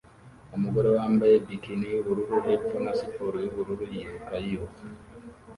Umugore wambaye bikini yubururu hepfo na siporo yubururu yiruka yiruka